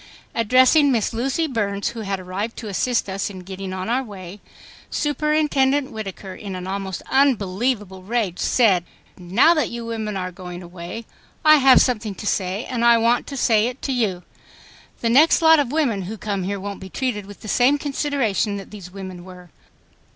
Addressing Miss Lucy Burns, who had arrived to assist us in getting on our way, Superintendent Whittaker, in an almost unbelievable rage, said, "Now that you women are going away, I have something to say and I want to say it to you. The next lot of women who come here won't be treated with the same consideration that these women were."